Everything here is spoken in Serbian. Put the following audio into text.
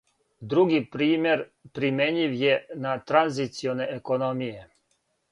Други пример примењив је на транзиционе економије.